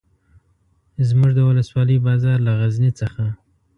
زموږ د ولسوالۍ بازار له غزني څخه.